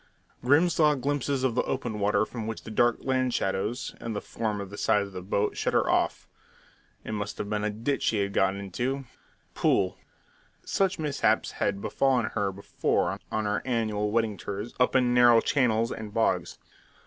Grim saw glimpses of the open water from which the dark land shadows, in the form of the sides of the boat, shut her off. It must be a ditch she had got into, a pool; such mishaps had befallen her before on her annual wedding tours up in narrow channels and bogs.